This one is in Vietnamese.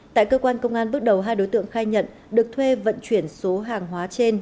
tại cơ quan công an bước đầu hai đối tượng khai nhận được thuê vận chuyển số hàng hóa trên